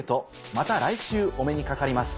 また来週お目にかかります。